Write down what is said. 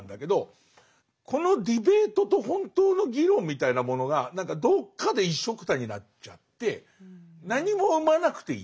このディベートと本当の議論みたいなものが何かどっかで一緒くたになっちゃって何も生まなくていいっていう。